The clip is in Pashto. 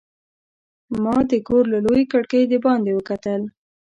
ما د کور له لویې کړکۍ د باندې وکتل.